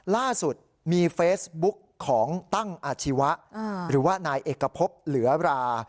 ล่าสุดมีเฟซบุ๊กของตั้งอาชีวะหรือว่านายเอกพบเหลือรา